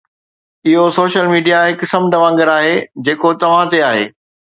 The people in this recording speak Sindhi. اهو سوشل ميڊيا هڪ سمنڊ وانگر آهي جيڪو توهان تي آهي